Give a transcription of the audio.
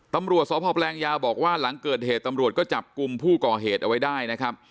ตำรวจสพแปลงยาวบอกว่าหลังเกิดเหตุตำรวจก็จับกลุ่มผู้ก่อเหตุเอาไว้ได้นะครับ